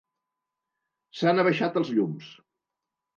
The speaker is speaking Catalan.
S'han abaixat els llums.